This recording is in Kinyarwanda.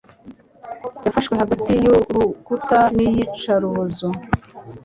yafashwe hagati y'urukuta n'iyicarubozo